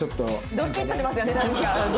ドキッとしますよねなんか。